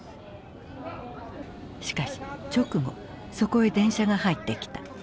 しかし直後そこへ電車が入ってきた。